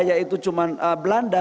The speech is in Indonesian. yaitu cuma belanda